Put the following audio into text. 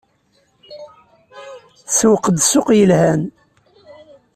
Tsewweq-d ssuq yelhan.